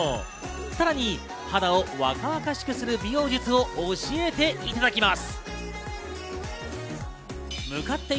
さらに肌を若々しくする美容術を教えていただきます。